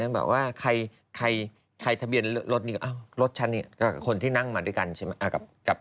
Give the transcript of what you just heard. แบบว่าใครทะเบียนรถนี้รถฉันเนี่ยก็คนที่นั่งมาด้วยกันใช่ไหม